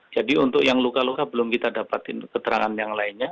jadi untuk yang luka luka belum kita dapatin keterangan yang lainnya